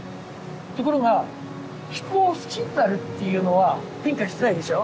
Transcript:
ところが人を好きになるっていうのは変化してないでしょ。